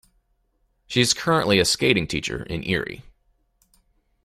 She is currently a skating teacher in Erie.